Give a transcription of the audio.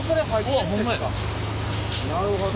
なるほど。